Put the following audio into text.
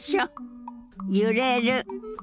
揺れる。